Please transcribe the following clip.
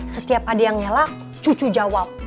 setiap ada yang nyela cucu jawab